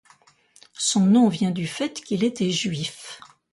Son nom vient du fait qu'il était juif.